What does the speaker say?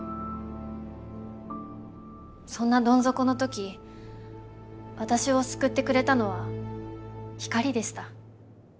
そんなどん底の時私を救ってくれたのは光でした。